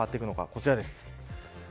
こちらです。